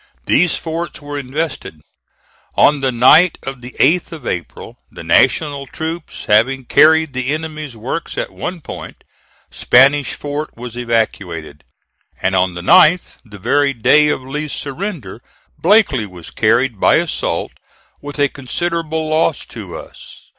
These forts were invested. On the night of the 8th of April, the National troops having carried the enemy's works at one point, Spanish Fort was evacuated; and on the 9th, the very day of Lee's surrender, Blakely was carried by assault, with a considerable loss to us.